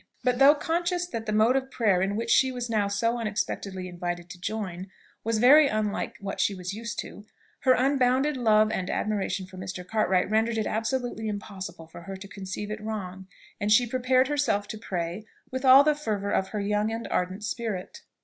_" But though conscious that the mode of prayer in which she was now so unexpectedly invited to join was very unlike what she was used to, her unbounded love and admiration for Mr. Cartwright rendered it absolutely impossible for her to conceive it wrong, and she prepared herself to pray with all the fervour of her young and ardent spirit.